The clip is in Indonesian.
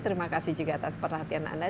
terima kasih juga atas perhatian anda